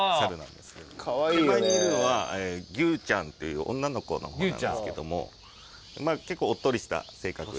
手前にいるのはギュウちゃんっていう女の子のほうなんですけども結構おっとりした性格で。